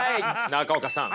中岡さん。